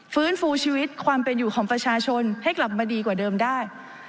ฟื้นฟูชีวิตความเป็นอยู่ของประชาชนให้กลับมาดีกว่าเดิมได้